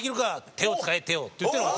手を使え手を」って言ってるのが私。